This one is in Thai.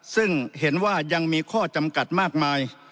ซึ่งเห็นว่ายังมีข้อจำกัดมากมาย